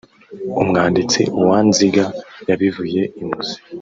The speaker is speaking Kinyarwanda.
Umwanditsi Uwanziga yabivuye imuzi